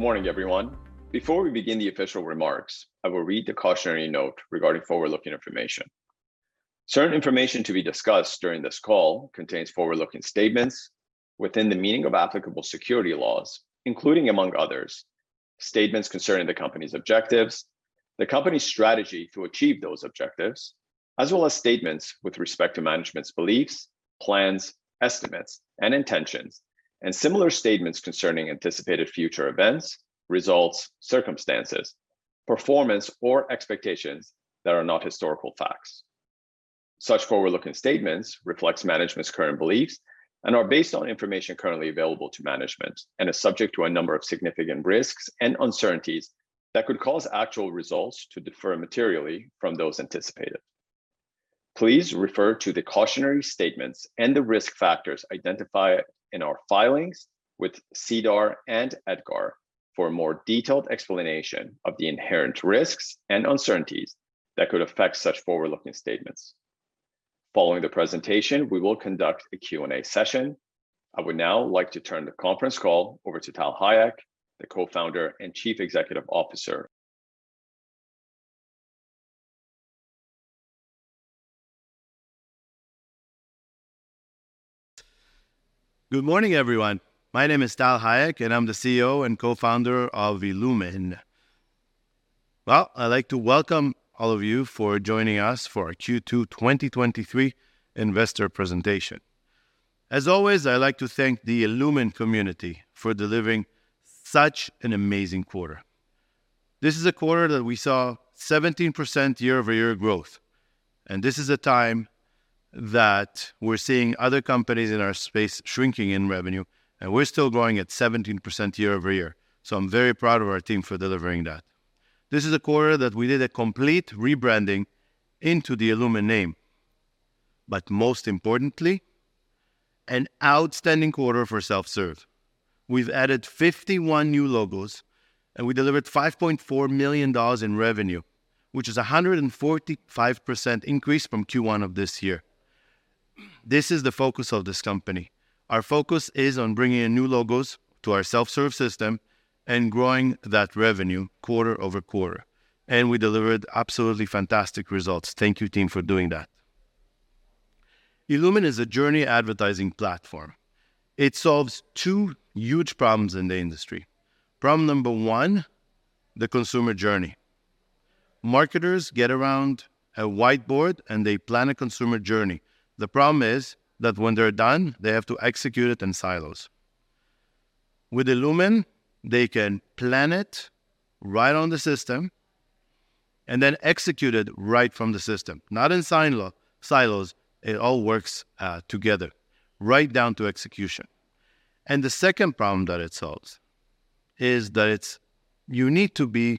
Good morning, everyone. Before we begin the official remarks, I will read the cautionary note regarding forward-looking information. Certain information to be discussed during this call contains forward-looking statements within the meaning of applicable security laws, including, among others, statements concerning the company's objectives, the company's strategy to achieve those objectives, as well as statements with respect to management's beliefs, plans, estimates, and intentions, and similar statements concerning anticipated future events, results, circumstances, performance, or expectations that are not historical facts. Such forward-looking statements reflects management's current beliefs and are based on information currently available to management and are subject to a number of significant risks and uncertainties that could cause actual results to differ materially from those anticipated. Please refer to the cautionary statements and the risk factors identified in our filings with SEDAR and EDGAR for a more detailed explanation of the inherent risks and uncertainties that could affect such forward-looking statements. Following the presentation, we will conduct a Q&A session. I would now like to turn the conference call over to Tal Hayek, the Co-Founder and Chief Executive Officer. Good morning, everyone. My name is Tal Hayek, and I'm the CEO and Co-Founder of illumin. Well, I'd like to welcome all of you for joining us for our Q2 2023 investor presentation. As always, I'd like to thank the illumin community for delivering such an amazing quarter. This is a quarter that we saw 17% year-over-year growth. This is a time that we're seeing other companies in our space shrinking in revenue, we're still growing at 17% year-over-year. I'm very proud of our team for delivering that. This is a quarter that we did a complete rebranding into the illumin name, most importantly, an outstanding quarter for self-serve. We've added 51 new logos, we delivered $5.4 million in revenue, which is a 145% increase from Q1 of this year. This is the focus of this company. Our focus is on bringing in new logos to our self-serve system and growing that revenue quarter-over-quarter, and we delivered absolutely fantastic results. Thank you, team, for doing that. illumin is a journey advertising platform. It solves two huge problems in the industry. Problem number one, the consumer journey. Marketers get around a whiteboard, and they plan a consumer journey. The problem is that when they're done, they have to execute it in silos. With illumin, they can plan it right on the system and then execute it right from the system. Not in silo, silos, it all works together, right down to execution. The second problem that it solves is that it's... You need to be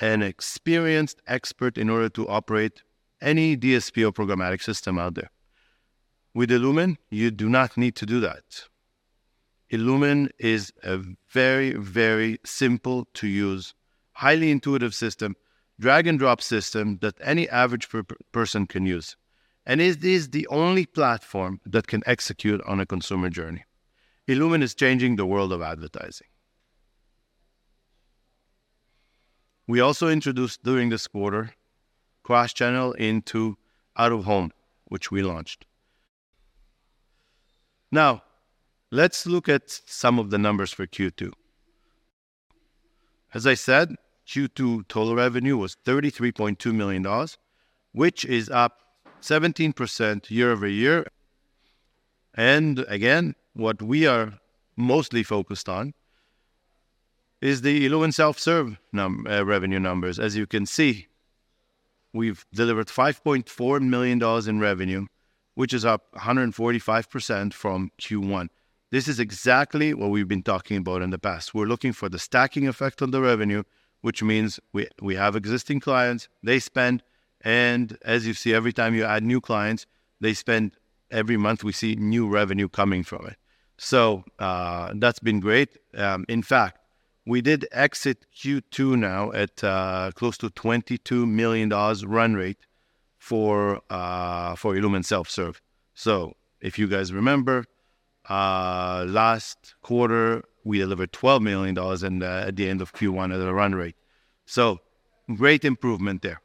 an experienced expert in order to operate any DSP or programmatic system out there. With illumin, you do not need to do that. illumin is a very, very simple to use, highly intuitive system, drag and drop system that any average person can use, and it is the only platform that can execute on a consumer journey. illumin is changing the world of advertising. We also introduced during this quarter, cross-channel into out-of-home, which we launched. Now, let's look at some of the numbers for Q2. As I said, Q2 total revenue was $33.2 million, which is up 17% year-over-year. Again, what we are mostly focused on is the illumin self-serve revenue numbers. As you can see, we've delivered $5.4 million in revenue, which is up 145% from Q1. This is exactly what we've been talking about in the past. We're looking for the stacking effect on the revenue, which means we, we have existing clients, they spend, and as you see, every time you add new clients, they spend. Every month, we see new revenue coming from it. That's been great. In fact, we did exit Q2 now at close to $22 million run rate for illumin self-serve. If you guys remember, last quarter, we delivered $12 million at the end of Q1 at a run rate. Great improvement there.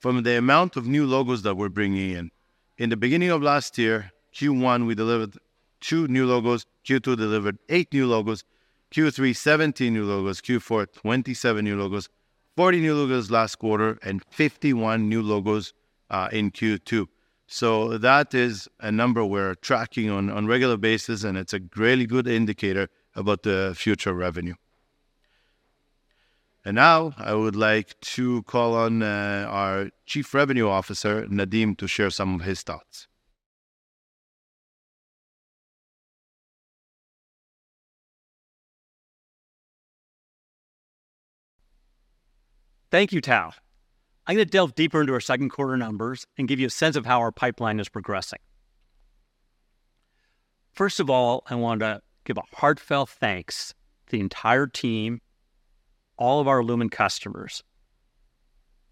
From the amount of new logos that we're bringing in, in the beginning of last year, Q1, we delivered two new logos, Q2 delivered eight new logos, Q3, 17 new logos, Q4, 27 new logos, 40 new logos last quarter, and 51 new logos in Q2. That is a number we're tracking on, on a regular basis, and it's a really good indicator about the future revenue. Now I would like to call on our Chief Revenue Officer, Nadeem, to share some of his thoughts. Thank you, Tal. I'm going to delve deeper into our second quarter numbers and give you a sense of how our pipeline is progressing. First of all, I want to give a heartfelt thanks to the entire team, all of our illumin customers.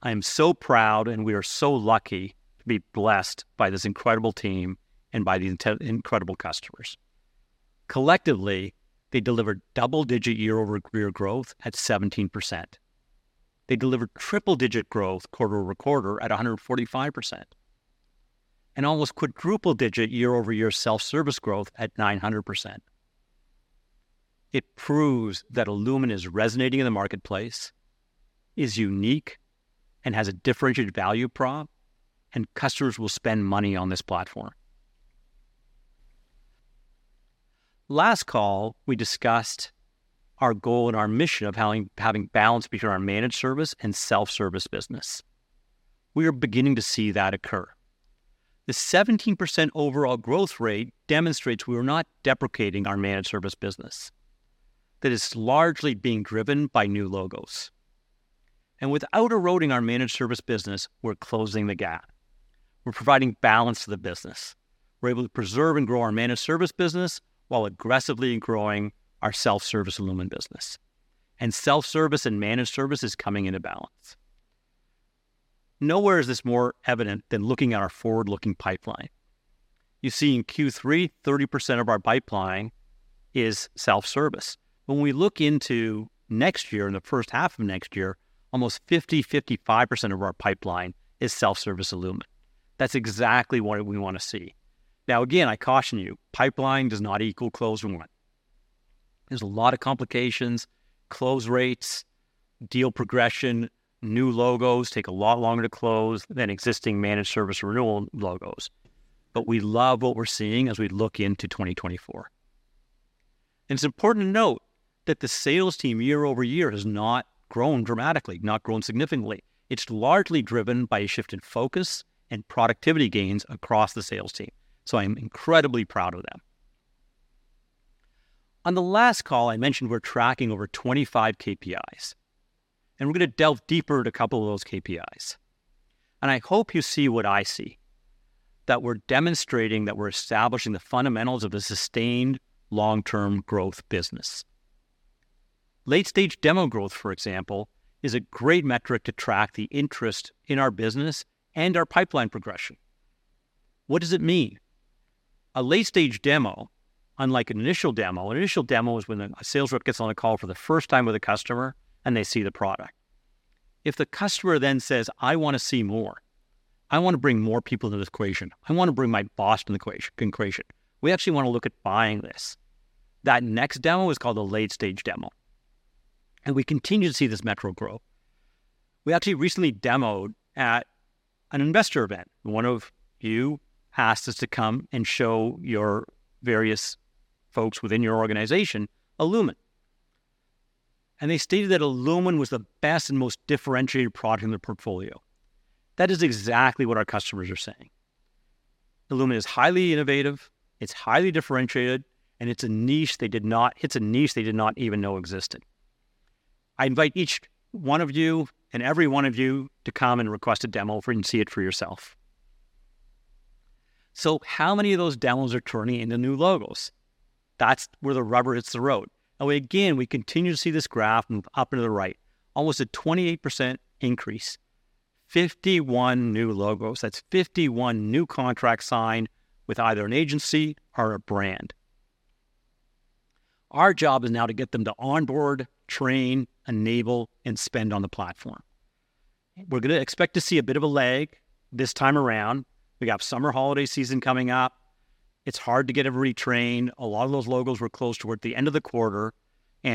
I am so proud, and we are so lucky to be blessed by this incredible team and by these incredible customers. Collectively, they delivered double-digit year-over-year growth at 17%. They delivered triple-digit growth quarter-over-quarter at 145%, and almost quadruple-digit year-over-year self-service growth at 900%. It proves that illumin is resonating in the marketplace, is unique, and has a differentiated value prop, and customers will spend money on this platform. Last call, we discussed our goal and our mission of having balance between our managed service and self-service business. We are beginning to see that occur. The 17% overall growth rate demonstrates we are not deprecating our managed service business. That is largely being driven by new logos. Without eroding our managed service business, we're closing the gap. We're providing balance to the business. We're able to preserve and grow our managed service business while aggressively growing our self-service illumin business, and self-service and managed service is coming into balance. Nowhere is this more evident than looking at our forward-looking pipeline. You see, in Q3, 30% of our pipeline is self-service. When we look into next year, in the first half of next year, almost 50-55% of our pipeline is self-service illumin. That's exactly what we want to see. Now, again, I caution you, pipeline does not equal closed won. There's a lot of complications, close rates, deal progression. New logos take a lot longer to close than existing managed service renewal logos. We love what we're seeing as we look into 2024. It's important to note that the sales team, year-over-year, has not grown dramatically, not grown significantly. It's largely driven by a shift in focus and productivity gains across the sales team. I am incredibly proud of them. On the last call, I mentioned we're tracking over 25 KPIs, we're gonna delve deeper into a couple of those KPIs. I hope you see what I see, that we're demonstrating that we're establishing the fundamentals of a sustained long-term growth business. Late stage demo growth, for example, is a great metric to track the interest in our business and our pipeline progression. What does it mean? A late stage demo, unlike an initial demo, an initial demo is when a sales rep gets on a call for the first time with a customer and they see the product. If the customer then says, "I want to see more, I want to bring more people into the equation. I want to bring my boss in the equation, in equation. We actually want to look at buying this," that next demo is called a late stage demo, and we continue to see this metric grow. We actually recently demoed at an investor event. One of you asked us to come and show your various folks within your organization illumin, and they stated that illumin was the best and most differentiated product in their portfolio. That is exactly what our customers are saying. illumin is highly innovative, it's highly differentiated, and it's a niche they did not even know existed. I invite each one of you and every one of you to come and request a demo for, and see it for yourself. How many of those demos are turning into new logos? That's where the rubber hits the road. We again, we continue to see this graph move up and to the right, almost a 28% increase, 51 new logos. That's 51 new contracts signed with either an agency or a brand. Our job is now to get them to onboard, train, enable, and spend on the platform. We're gonna expect to see a bit of a lag this time around. We have summer holiday season coming up. It's hard to get everybody trained. A lot of those logos were closed toward the end of the quarter,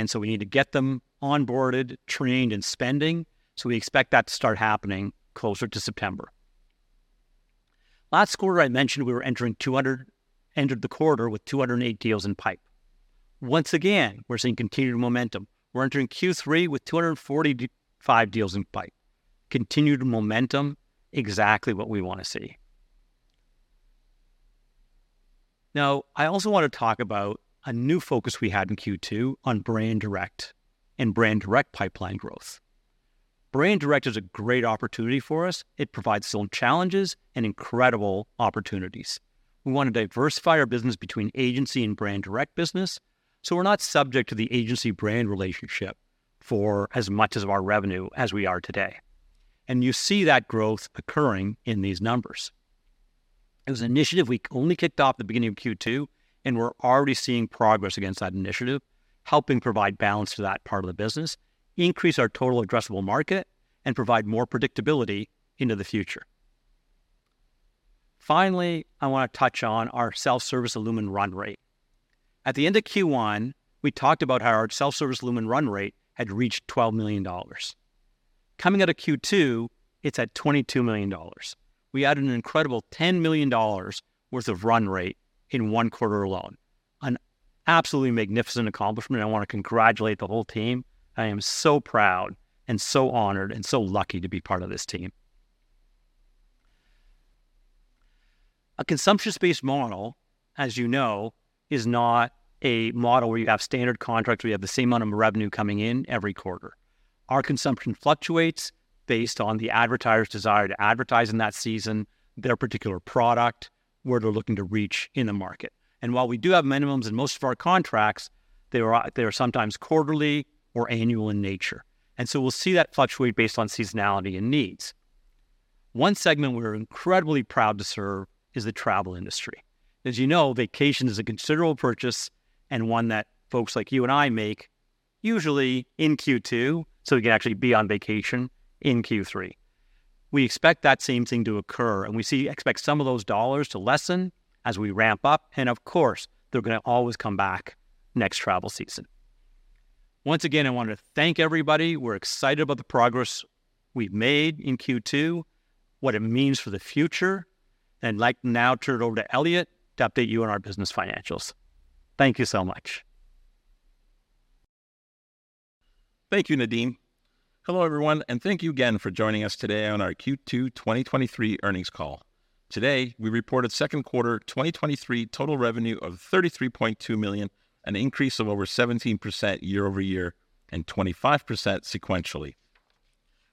so we need to get them onboarded, trained, and spending, so we expect that to start happening closer to September. Last quarter, I mentioned we were entering the quarter with 208 deals in pipe. Once again, we're seeing continued momentum. We're entering Q3 with 245 deals in pipe. Continued momentum, exactly what we want to see. I also want to talk about a new focus we had in Q2 on brand direct and brand direct pipeline growth. Brand direct is a great opportunity for us. It provides its own challenges and incredible opportunities. We want to diversify our business between agency and brand direct business, so we're not subject to the agency-brand relationship for as much as of our revenue as we are today, and you see that growth occurring in these numbers. It was an initiative we only kicked off at the beginning of Q2, and we're already seeing progress against that initiative, helping provide balance to that part of the business, increase our total addressable market, and provide more predictability into the future. Finally, I want to touch on our self-service illumin run rate. At the end of Q1, we talked about how our self-service illumin run rate had reached $12 million. Coming out of Q2, it's at $22 million. We added an incredible $10 million worth of run rate in one quarter alone, an absolutely magnificent accomplishment. I want to congratulate the whole team. I am so proud and so honored and so lucky to be part of this team. A consumption-based model, as you know, is not a model where you have standard contracts, where you have the same amount of revenue coming in every quarter. Our consumption fluctuates based on the advertiser's desire to advertise in that season, their particular product, where they're looking to reach in the market. While we do have minimums in most of our contracts, they are sometimes quarterly or annual in nature, so we'll see that fluctuate based on seasonality and needs. One segment we're incredibly proud to serve is the travel industry. As you know, vacation is a considerable purchase and one that folks like you and I make usually in Q2, so we can actually be on vacation in Q3. We expect that same thing to occur, and we expect some of those dollars to lessen as we ramp up, and of course, they're gonna always come back next travel season. Once again, I want to thank everybody. We're excited about the progress we've made in Q2, what it means for the future, and I'd like now to turn it over to Elliot to update you on our business financials. Thank you so much. Thank you, Nadeem. Hello, everyone, and thank you again for joining us today on our Q2 2023 earnings call. Today, we reported second quarter 2023 total revenue of $33.2 million, an increase of over 17% year-over-year and 25% sequentially.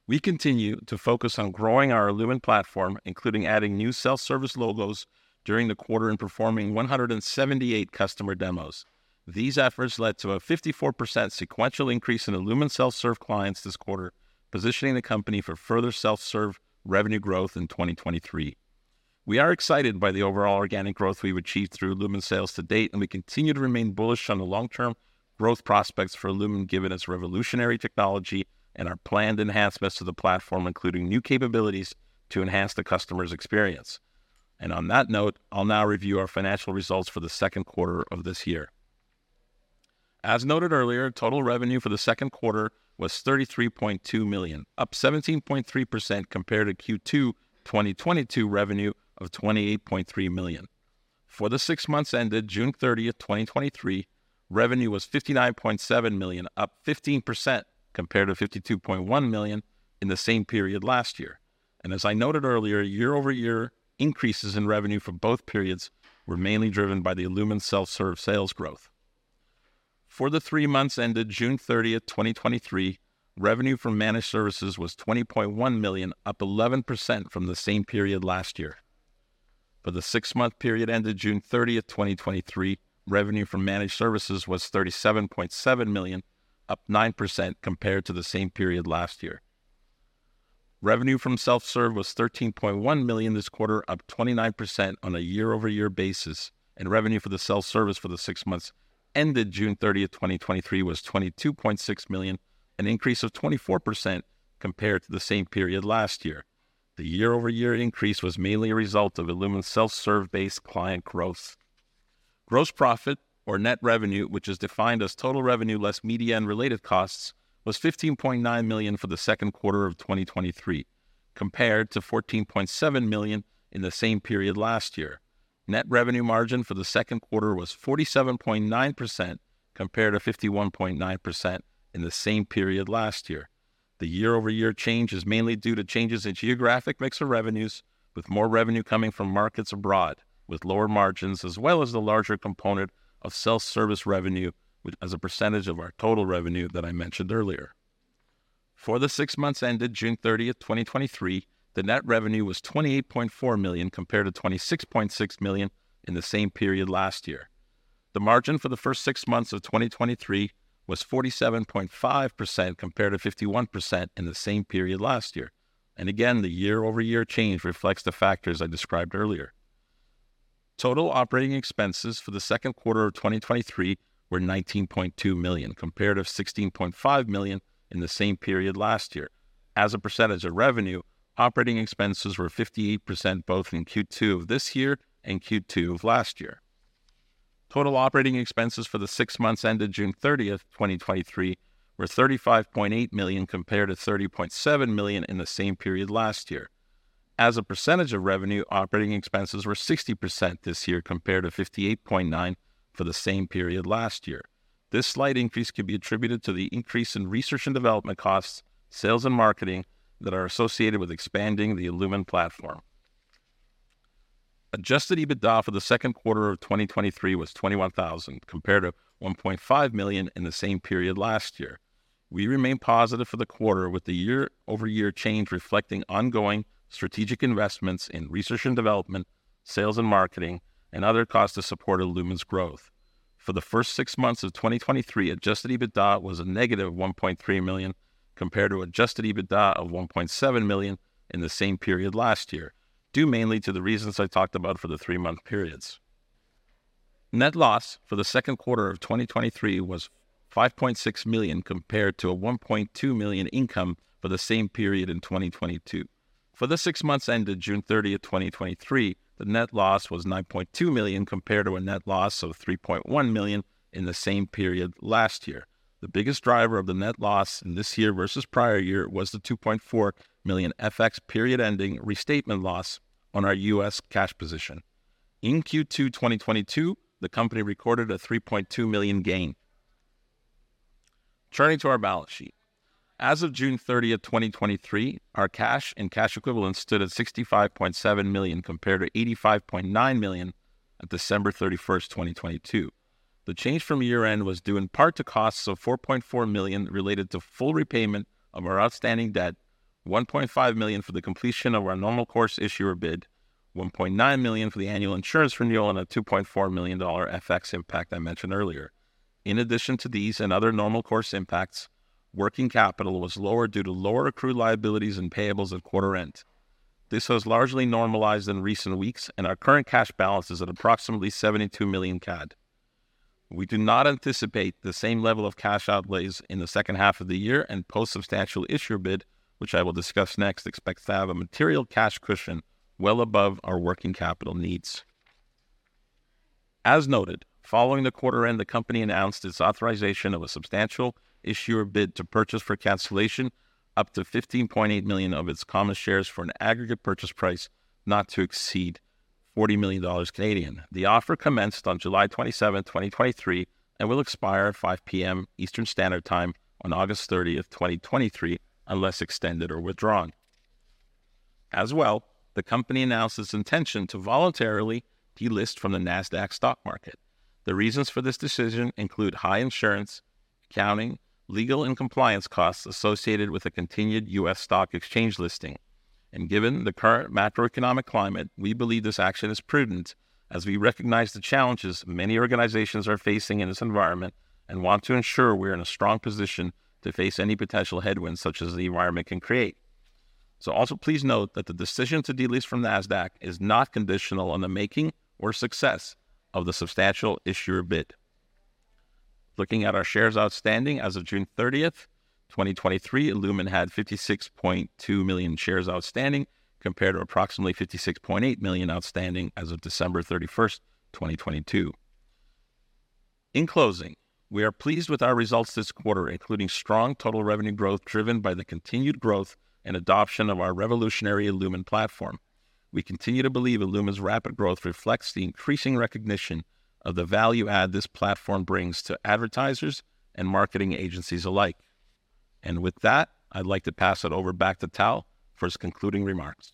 We continue to focus on growing our illumin platform, including adding new self-serve logos during the quarter and performing 178 customer demos. These efforts led to a 54% sequential increase in illumin self-serve clients this quarter, positioning the company for further self-serve revenue growth in 2023. We are excited by the overall organic growth we've achieved through illumin sales to date, and we continue to remain bullish on the long-term growth prospects for illumin, given its revolutionary technology and our planned enhancements to the platform, including new capabilities to enhance the customer's experience. On that note, I'll now review our financial results for the second quarter of this year. As noted earlier, total revenue for the second quarter was $33.2 million, up 17.3% compared to Q2 2022 revenue of $28.3 million. For the six months ended June 30th, 2023, revenue was $59.7 million, up 15% compared to $52.1 million in the same period last year. As I noted earlier, year-over-year increases in revenue for both periods were mainly driven by the illumin self-serve sales growth. For the three months ended June 30th, 2023, revenue from managed services was $20.1 million, up 11% from the same period last year. For the six-month period ended June 30th, 2023, revenue from managed services was $37.7 million, up 9% compared to the same period last year. Revenue from self-serve was $13.1 million this quarter, up 29% on a year-over-year basis, and revenue for the self-service for the six months ended June 30th, 2023, was $22.6 million, an increase of 24% compared to the same period last year. The year-over-year increase was mainly a result of illumin's self-serve-based client growth. Gross profit or net revenue, which is defined as total revenue less media and related costs, was $15.9 million for the second quarter of 2023, compared to $14.7 million in the same period last year. Net revenue margin for the second quarter was 47.9%, compared to 51.9% in the same period last year. The year-over-year change is mainly due to changes in geographic mix of revenues, with more revenue coming from markets abroad, with lower margins, as well as the larger component of self-service revenue as a percentage of our total revenue that I mentioned earlier. For the six months ended June 30th, 2023, the net revenue was 28.4 million, compared to 26.6 million in the same period last year. The margin for the first six months of 2023 was 47.5%, compared to 51% in the same period last year. Again, the year-over-year change reflects the factors I described earlier. Total operating expenses for the second quarter of 2023 were 19.2 million, compared to 16.5 million in the same period last year. As a percentage of revenue, operating expenses were 58%, both in Q2 of this year and Q2 of last year. Total operating expenses for the six months ended June 30th, 2023, were 35.8 million, compared to 30.7 million in the same period last year. As a percentage of revenue, operating expenses were 60% this year, compared to 58.9% for the same period last year. This slight increase could be attributed to the increase in research and development costs, sales and marketing that are associated with expanding the illumin platform. Adjusted EBITDA for the second quarter of 2023 was 21,000, compared to 1.5 million in the same period last year. We remain positive for the quarter, with the year-over-year change reflecting ongoing strategic investments in research and development, sales and marketing, and other costs to support illumin's growth. For the first six months of 2023, Adjusted EBITDA was a negative 1.3 million, compared to Adjusted EBITDA of 1.7 million in the same period last year, due mainly to the reasons I talked about for the three-month periods. Net loss for the second quarter of 2023 was 5.6 million, compared to a 1.2 million income for the same period in 2022. For the six months ended June 30th, 2023, the net loss was 9.2 million, compared to a net loss of 3.1 million in the same period last year. The biggest driver of the net loss in this year versus prior year was the $2.4 million FX period-ending restatement loss on our U.S. cash position. In Q2 2022, the company recorded a $3.2 million gain. Turning to our balance sheet. As of June 30th, 2023, our cash and cash equivalents stood at $65.7 million, compared to $85.9 million on December 31st, 2022. The change from year-end was due in part to costs of $4.4 million related to full repayment of our outstanding debt, $1.5 million for the completion of our Normal Course Issuer Bid, $1.9 million for the annual insurance renewal, and a $2.4 million FX impact I mentioned earlier. In addition to these and other normal course impacts, working capital was lower due to lower accrued liabilities and payables at quarter end. This has largely normalized in recent weeks, and our current cash balance is at approximately 72 million CAD. We do not anticipate the same level of cash outlays in the second half of the year and post substantial issuer bid, which I will discuss next, expects to have a material cash cushion well above our working capital needs. As noted, following the quarter end, the company announced its authorization of a substantial issuer bid to purchase for cancellation up to 15.8 million of its common shares for an aggregate purchase price not to exceed 40 million Canadian dollars. The offer commenced on July 27th, 2023, and will expire at 5:00 P.M. Eastern Standard Time on August 30th, 2023, unless extended or withdrawn. As well, the company announced its intention to voluntarily delist from the NASDAQ stock market. The reasons for this decision include high insurance, accounting, legal, and compliance costs associated with a continued U.S. stock exchange listing. Given the current macroeconomic climate, we believe this action is prudent, as we recognize the challenges many organizations are facing in this environment, and want to ensure we're in a strong position to face any potential headwinds, such as the environment can create. Also please note that the decision to delist from NASDAQ is not conditional on the making or success of the substantial issuer bid. Looking at our shares outstanding, as of June 30th, 2023, illumin had 56.2 million shares outstanding, compared to approximately 56.8 million outstanding as of December 31st, 2022. In closing, we are pleased with our results this quarter, including strong total revenue growth driven by the continued growth and adoption of our revolutionary illumin platform. We continue to believe illumin's rapid growth reflects the increasing recognition of the value add this platform brings to advertisers and marketing agencies alike. With that, I'd like to pass it over back to Tal for his concluding remarks.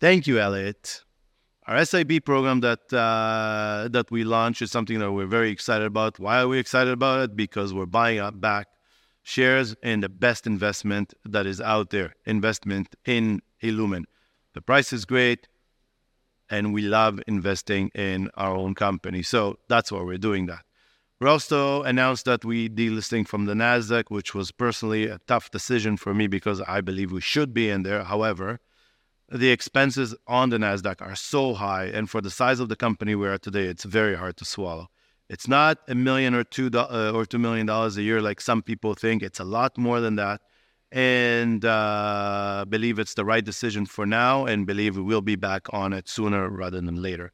Thank you, Elliot. Our SAB program that we launched is something that we're very excited about. Why are we excited about it? Because we're buying up back shares in the best investment that is out there, investment in illumin. The price is great, and we love investing in our own company, so that's why we're doing that. We also announced that we delisting from the NASDAQ, which was personally a tough decision for me, because I believe we should be in there. However, the expenses on the NASDAQ are so high, and for the size of the company we are today, it's very hard to swallow. It's not $1 million or $2 million dollars a year like some people think, it's a lot more than that, and believe it's the right decision for now, and believe we will be back on it sooner rather than later.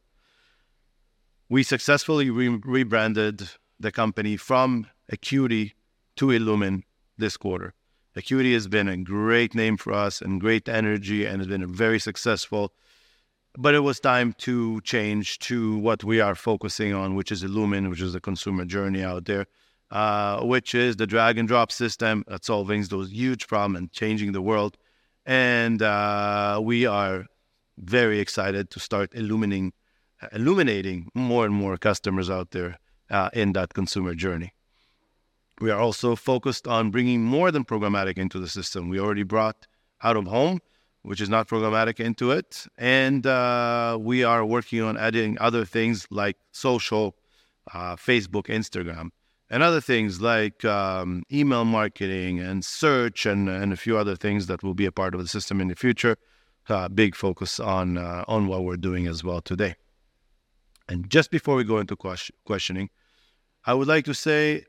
We successfully re-rebranded the company from AcuityAds to illumin this quarter. AcuityAds has been a great name for us and great energy, and has been very successful, but it was time to change to what we are focusing on, which is illumin, which is the consumer journey out there, which is the drag and drop system that's solving those huge problem and changing the world. We are very excited to start illuminating- illuminating more and more customers out there, in that consumer journey. We are also focused on bringing more than programmatic into the system. We already brought out-of-home, which is not programmatic, into it. We are working on adding other things like social, Facebook, Instagram, and other things like email marketing, and search, and a few other things that will be a part of the system in the future. Big focus on what we're doing as well today. Just before we go into questioning, I would like to say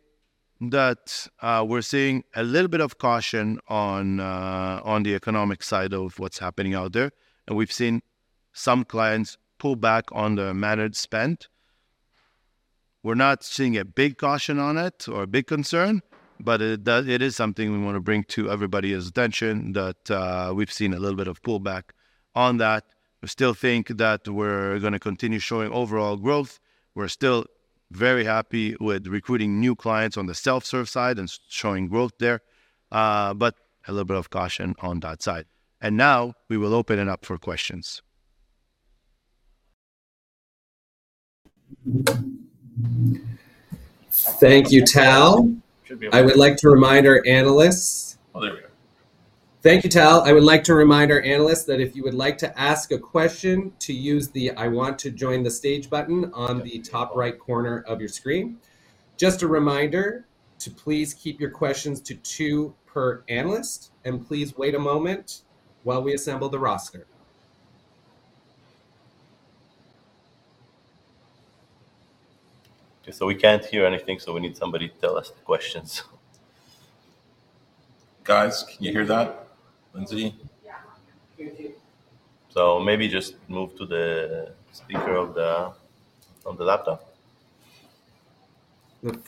that we're seeing a little bit of caution on the economic side of what's happening out there, and we've seen some clients pull back on the managed spend. We're not seeing a big caution on it or a big concern, but it is something we wanna bring to everybody's attention, that we've seen a little bit of pullback on that. We still think that we're gonna continue showing overall growth. We're still very happy with recruiting new clients on the self-serve side and showing growth there, but a little bit of caution on that side. Now we will open it up for questions. Thank you, Tal. I would like to remind our analysts. Thank you, Tal. I would like to remind our analysts that if you would like to ask a question, to use the I want to join the stage button on the top right corner of your screen. Just a reminder to please keep your questions to two per analyst, and please wait a moment while we assemble the roster. The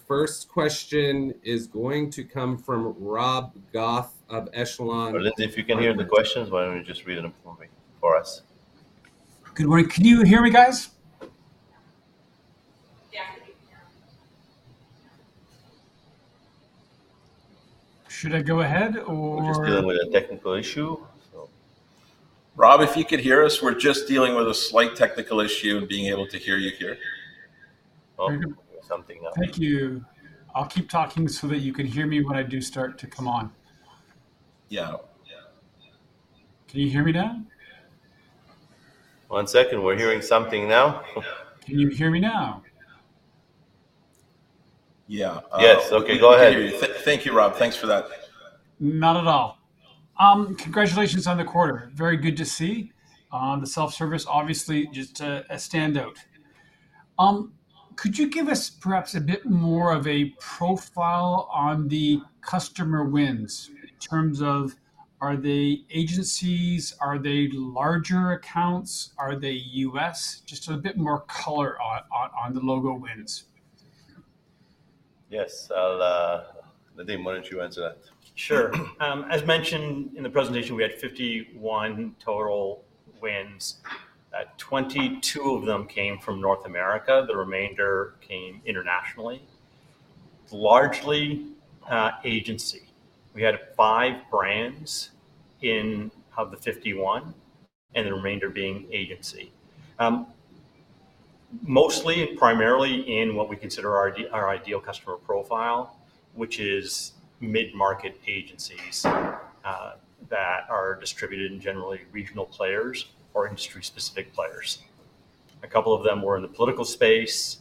first question is going to come from Rob Goff of Echelon. Congratulations on the quarter. Very good to see. The self-service, obviously, just a, a standout. Could you give us perhaps a bit more of a profile on the customer wins, in terms of are they agencies? Are they larger accounts? Are they U.S.? Just a bit more color on, on, on the logo wins? Yes. I'll, Nadeem, why don't you answer that? Sure. As mentioned in the presentation, we had 51 total wins. 22 of them came from North America, the remainder came internationally, largely agency. We had five brands in, of the 51, and the remainder being agency. Mostly, primarily in what we consider our ideal customer profile, which is mid-market agencies, that are distributed and generally regional players or industry-specific players. A couple of them were in the political space,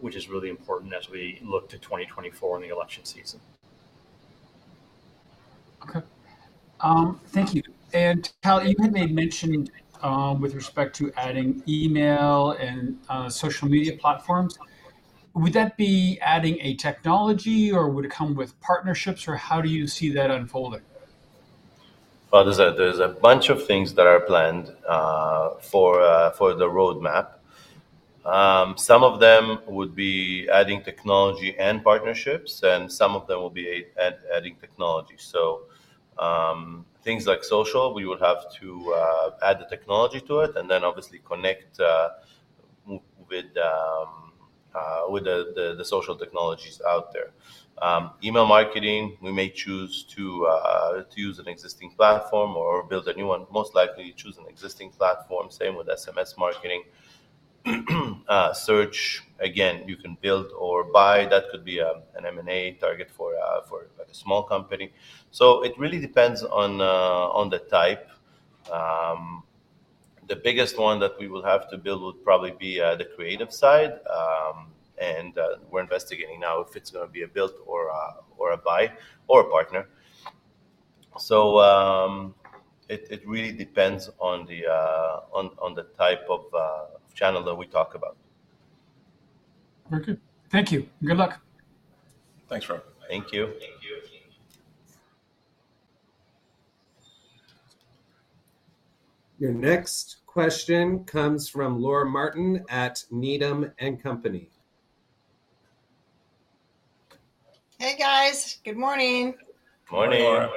which is really important as we look to 2024 and the election season. Okay. Thank you. Tal, you had made mention with respect to adding email and social media platforms. Would that be adding a technology, or would it come with partnerships, or how do you see that unfolding? Well, there's a, there's a bunch of things that are planned for the roadmap. Some of them would be adding technology and partnerships, and some of them will be a add- adding technology. Things like social, we would have to add the technology to it, and then obviously connect w- with the social technologies out there. Email marketing, we may choose to use an existing platform or build a new one, most likely choose an existing platform, same with SMS marketing. Search, again, you can build or buy. That could be an M&A target for, like, a small company. It really depends on the type. The biggest one that we will have to build would probably be the creative side, and we're investigating now if it's going to be a build or or a buy or a partner. It really depends on the type of channel that we talk about. Very good. Thank you, and good luck. Thanks, Rob. Thank you. Your next question comes from Laura Martin at Needham & Company. Hey, guys. Good morning. Morning. Morning.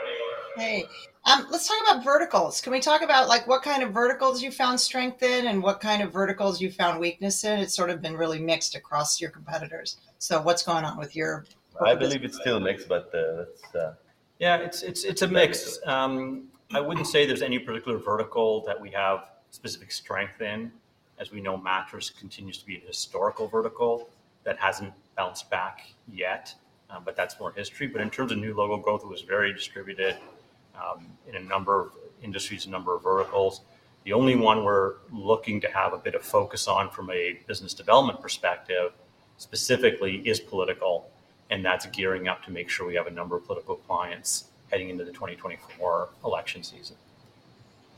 Hey, let's talk about verticals. Can we talk about, like, what kind of verticals you found strength in and what kind of verticals you found weakness in? It's sort of been really mixed across your competitors. What's going on with your verticals? I believe it's still mixed, but it's. Yeah, it's, it's, it's a mix. I wouldn't say there's any particular vertical that we have specific strength in. As we know, mattress continues to be a historical vertical that hasn't bounced back yet, but that's more history. In terms of new logo growth, it was very distributed in a number of industries, a number of verticals. The only one we're looking to have a bit of focus on from a business development perspective, specifically, is political, and that's gearing up to make sure we have a number of political clients heading into the 2024 election season.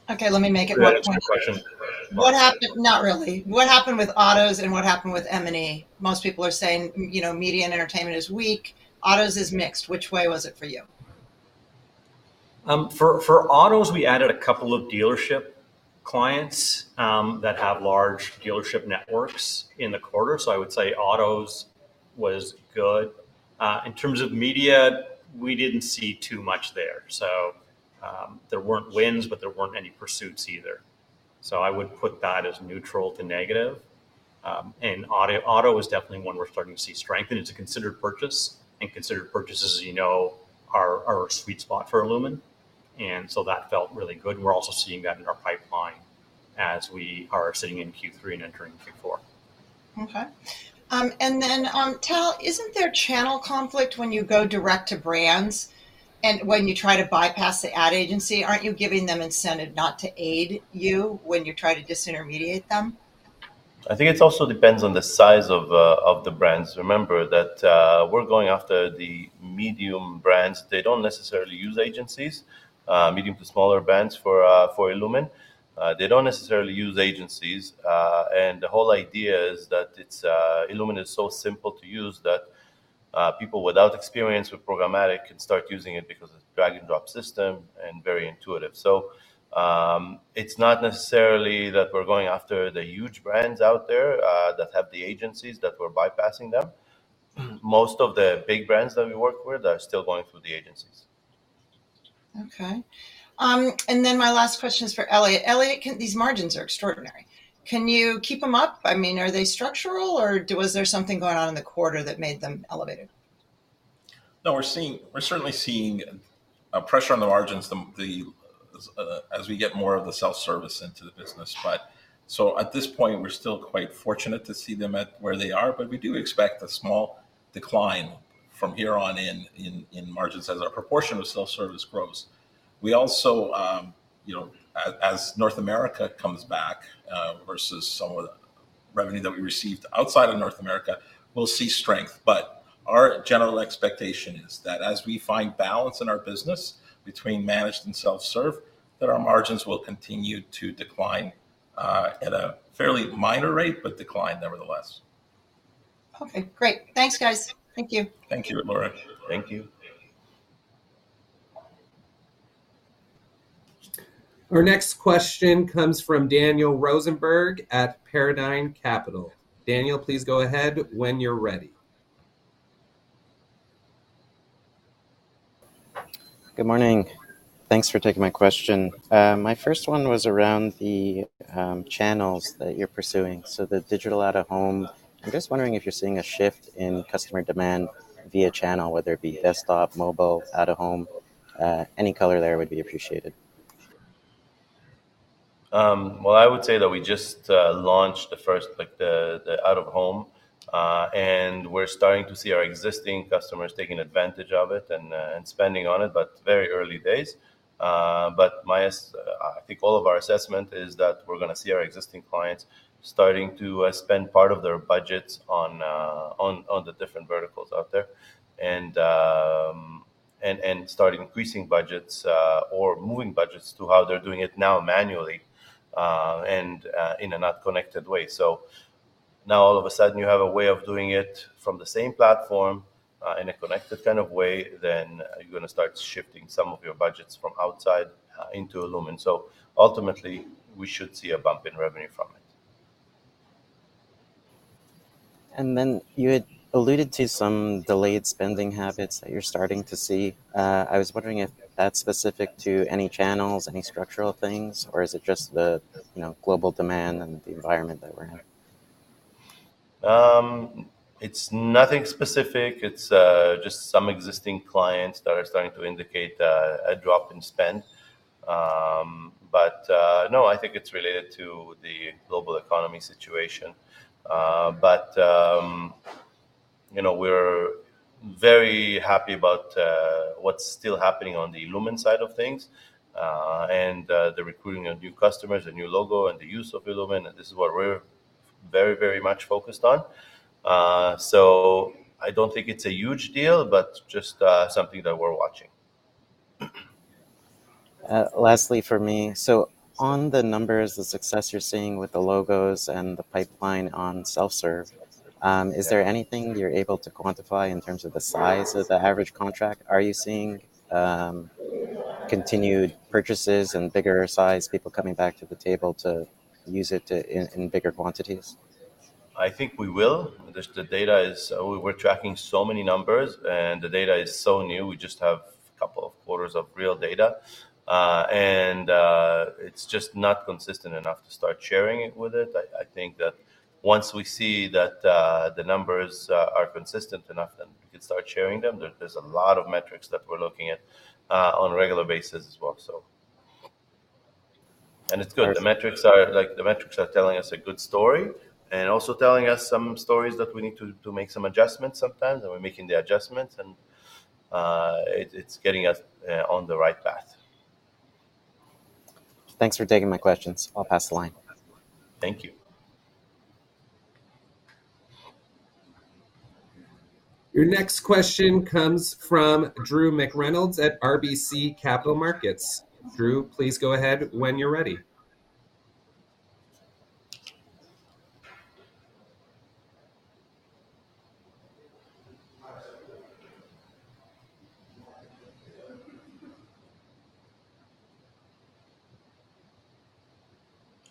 Okay, let me make it. What happened... Not really. What happened with autos, and what happened with M&E? Most people are saying, you know, media and entertainment is weak, autos is mixed. Which way was it for you? For, for autos, we added couple of dealership clients that have large dealership networks in the quarter, so I would say autos was good. In terms of media, we didn't see too much there, so, there weren't wins, but there weren't any pursuits either. I would put that as neutral to negative. Auto, auto is definitely one we're starting to see strength in. It's a considered purchase, and considered purchases, as you know, are, are a sweet spot for illumin, and so that felt really good. We're also seeing that in our pipeline as we are sitting in Q3 and entering Q4. Okay. Tal, isn't there channel conflict when you go direct to brands, and when you try to bypass the ad agency, aren't you giving them incentive not to aid you when you try to disintermediate them? I think it also depends on the size of, of the brands. Remember that, we're going after the medium brands. They don't necessarily use agencies, medium to smaller brands for, for illumin. They don't necessarily use agencies. The whole idea is that it's illumin is so simple to use that people without experience with programmatic can start using it because it's drag-and-drop system and very intuitive. It's not necessarily that we're going after the huge brands out there that have the agencies that we're bypassing them. Most of the big brands that we work with are still going through the agencies. Okay. My last question is for Elliot. Elliot, these margins are extraordinary. Can you keep them up? I mean, are they structural, or was there something going on in the quarter that made them elevated? No, we're certainly seeing pressure on the margins, as we get more of the self-service into the business. At this point, we're still quite fortunate to see them at where they are, but we do expect a small decline from here on in margins as our proportion of self-service grows. We also, you know, as North America comes back versus some of the revenue that we received outside of North America, we'll see strength. Our general expectation is that as we find balance in our business between managed and self-serve, that our margins will continue to decline at a fairly minor rate, but decline nevertheless. Okay, great. Thanks, guys. Thank you. Thank you, Laura. Thank you. Our next question comes from Daniel Rosenberg at Paradigm Capital. Daniel, please go ahead when you're ready. Good morning. Thanks for taking my question. My first one was around the channels that you're pursuing, so the digital out-of-home. I'm just wondering if you're seeing a shift in customer demand via channel, whether it be desktop, mobile, out-of-home, any color there would be appreciated. Well, I would say that we just launched the first, like, the, the out-of-home, and we're starting to see our existing customers taking advantage of it and spending on it, but very early days. I think all of our assessment is that we're gonna see our existing clients starting to spend part of their budgets on, on, on the different verticals out there, and, and, and start increasing budgets, or moving budgets to how they're doing it now manually, and in a not connected way. Now, all of a sudden, you have a way of doing it from the same platform, in a connected kind of way, then you're gonna start shifting some of your budgets from outside into illumin. Ultimately, we should see a bump in revenue from it. Then you had alluded to some delayed spending habits that you're starting to see. I was wondering if that's specific to any channels, any structural things, or is it just the, you know, global demand and the environment that we're in? It's nothing specific. It's just some existing clients that are starting to indicate a drop in spend. No, I think it's related to the global economy situation. You know, we're very happy about what's still happening on the illumin side of things, and the recruiting of new customers, the new logo, and the use of illumin, and this is what we're very, very much focused on. I don't think it's a huge deal, but just something that we're watching. Lastly for me, on the numbers, the success you're seeing with the logos and the pipeline on self-serve, is there anything you're able to quantify in terms of the size of the average contract? Are you seeing continued purchases and bigger size, people coming back to the table to use it to, in, in bigger quantities? I think we will. The data is... We're tracking so many numbers, and the data is so new. We just have a couple of quarters of real data, and it's just not consistent enough to start sharing it with it. I, I think that once we see that, the numbers are consistent enough, then we could start sharing them. There's a lot of metrics that we're looking at, on a regular basis as well, so. It's good. The metrics are, like, the metrics are telling us a good story and also telling us some stories that we need to make some adjustments sometimes, and we're making the adjustments, and, it, it's getting us, on the right path. Thanks for taking my questions. I'll pass the line. Thank you. Your next question comes from Drew McReynolds at RBC Capital Markets. Drew, please go ahead when you're ready.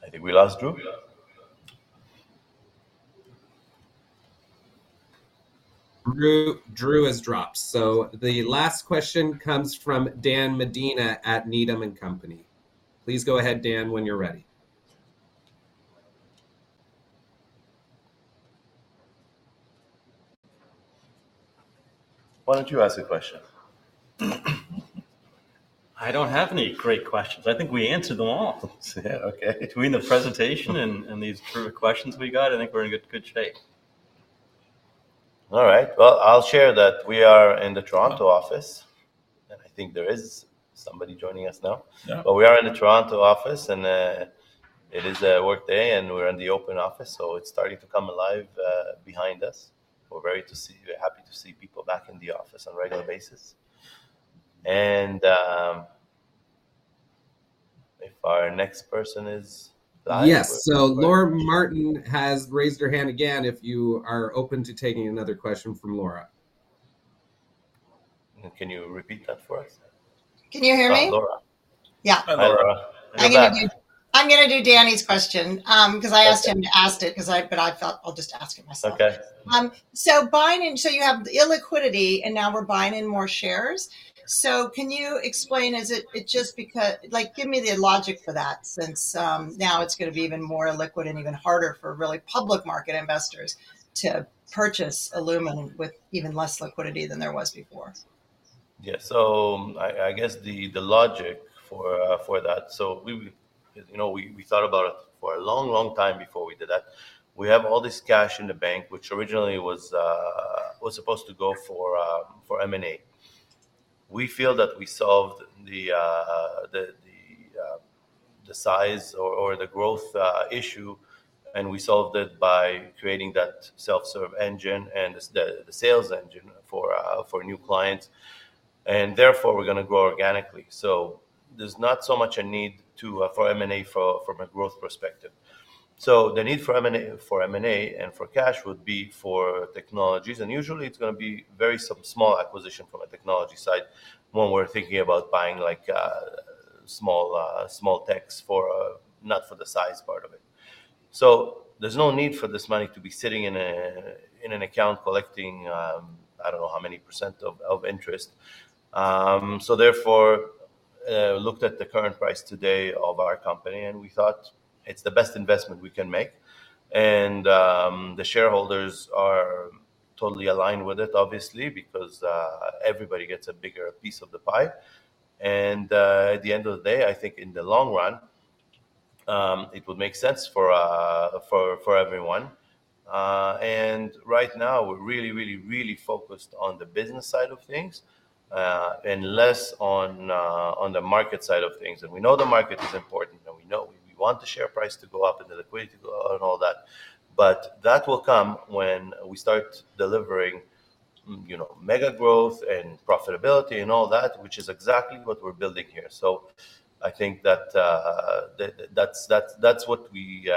I think we lost Drew? Drew, Drew has dropped. The last question comes from Daniel Medina at Needham & Company. Please go ahead, Dan, when you're ready. Why don't you ask a question? I don't have any great questions. I think we answered them all. Yeah. Okay. Between the presentation and these three questions we got, I think we're in good, good shape. All right. Well, I'll share that we are in the Toronto office, and I think there is somebody joining us now. Yeah. We are in the Toronto office, and it is a workday, and we're in the open office, so it's starting to come alive behind us. We're happy to see people back in the office on a regular basis. If our next person is live- Yes. Laura Martin has raised her hand again, if you are open to taking another question from Laura. Can you repeat that for us? Can you hear me? Laura. Yeah. Laura. I'm gonna do, I'm gonna do Danny's question. 'Cause I asked him to ask it, 'cause I, but I felt... I'll just ask it myself. Okay. Buying in, so you have illiquidity, and now we're buying in more shares. Can you explain, is it just because, like, give me the logic for that, since, now it's gonna be even more illiquid and even harder for really public market investors to purchase illumin with even less liquidity than there was before? Yeah, I, I guess the, the logic for that. We, we, you know, we, we thought about it for a long, long time before we did that. We have all this cash in the bank, which originally was supposed to go for M&A. We feel that we solved the, the, the, the size or, or the growth issue, and we solved it by creating that self-serve engine and the the, the sales engine for new clients. Therefore, we're gonna grow organically. There's not so much a need to for M&A from, from a growth perspective. The need for M&A, for M&A and for cash would be for technologies, and usually, it's gonna be very some small acquisition from a technology side when we're thinking about buying like, small, small techs for, not for the size part of it. There's no need for this money to be sitting in a, in an account collecting, I don't know how many % of, of interest. Therefore, looked at the current price today of our company, and we thought it's the best investment we can make. The shareholders are totally aligned with it, obviously, because, everybody gets a bigger piece of the pie. At the end of the day, I think in the long run, it would make sense for, for, for everyone. Right now, we're really, really, really focused on the business side of things, and less on the market side of things. We know the market is important, and we know we want the share price to go up and the liquidity to go up and all that, but that will come when we start delivering, you know, mega growth and profitability and all that, which is exactly what we're building here. I think that, that's, that's, that's what we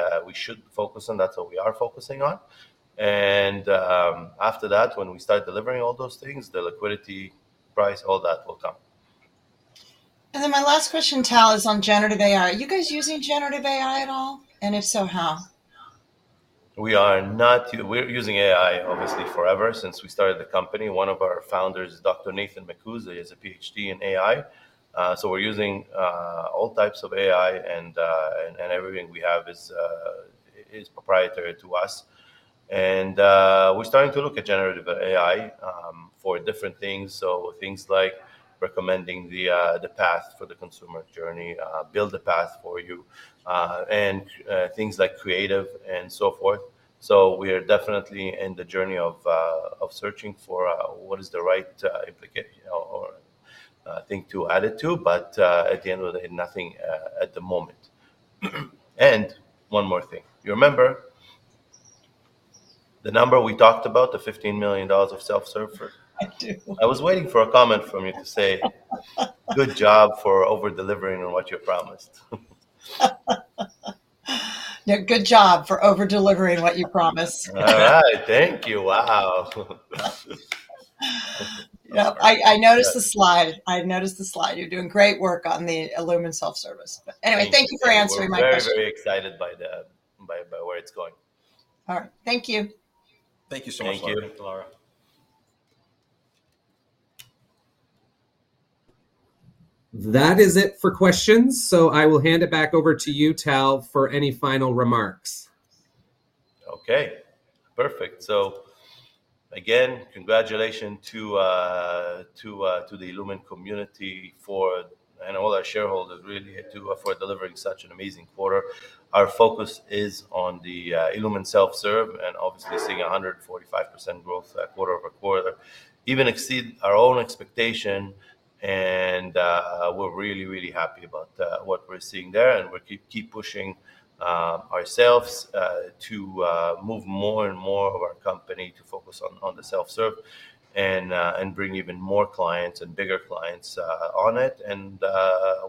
should focus on, that's what we are focusing on. After that, when we start delivering all those things, the liquidity price, all that will come. My last question, Tal, is on generative AI. Are you guys using generative AI at all? And if so, how? We are not... We're using AI, obviously, forever, since we started the company. One of our founders, Dr. Nathan Melynczenko, has a PhD in AI. We're using all types of AI, and everything we have is proprietary to us. We're starting to look at generative AI for different things. Things like recommending the path for the consumer journey, build a path for you, and things like creative and so forth. We are definitely in the journey of searching for what is the right application or thing to add it to, but at the end of the day, nothing at the moment. One more thing. You remember the number we talked about, the $15 million of self-serve for? I do. I was waiting for a comment from you to say, "Good job for over-delivering on what you promised. Yeah, good job for over-delivering what you promised. All right, thank you. Wow! Yep, I, I noticed the slide. I noticed the slide. You're doing great work on the illumin Self Service. Thank you. Anyway, thank you for answering my question. We're very, very excited by where it's going. All right. Thank you. Thank you so much, Laura. That is it for questions. I will hand it back over to you, Tal, for any final remarks. Okay, perfect. Again, congratulations to the illumin community for, and all our shareholders, really, for delivering such an amazing quarter. Our focus is on the illumin Self Serve, and obviously seeing 145% growth quarter-over-quarter, even exceed our own expectation, and we're really, really happy about what we're seeing there. We'll keep, keep pushing ourselves to move more and more of our company to focus on the self-serve and bring even more clients and bigger clients on it.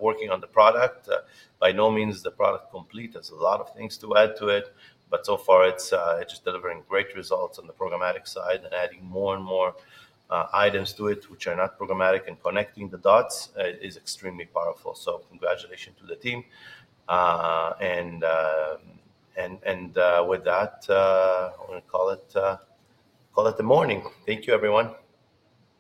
Working on the product, by no means is the product complete. There's a lot of things to add to it, but so far, it's, it's delivering great results on the programmatic side and adding more and more items to it, which are not programmatic, and connecting the dots is extremely powerful. Congratulations to the team. With that, I'm gonna call it, call it the morning. Thank you, everyone.